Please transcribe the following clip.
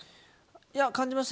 いや、感じました。